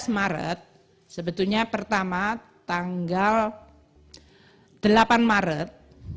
tiga belas maret sebetulnya pertama tanggal delapan maret